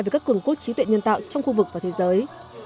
về các cường cốt trí tuệ nhân tạo trong khu vực và thế giới